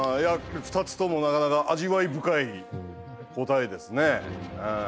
２つともなかなか味わい深い答えですね。